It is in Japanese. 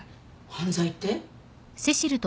犯罪って？